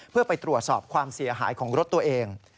เพื่อไปตรวจสอบความเสียหายของรถตัวเอง